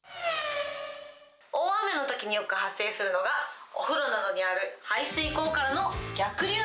大雨のときによく発生するのが、お風呂などにある排水溝からの逆流。